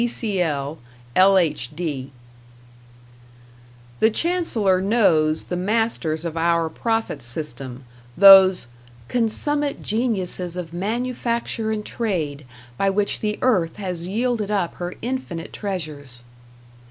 D., D.C.L., L.H.D. The Chancellor knows the masters of our Profit System, those "consummate geniuses of manufacture and trade by which the earth has yielded up her infinite treasures."